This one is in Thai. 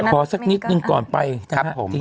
ขอสักนิดนึงก่อนไปครับผม